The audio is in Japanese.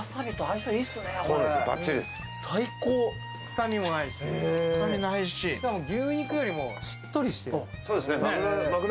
臭みもないし、牛肉よりもしっとりしてる。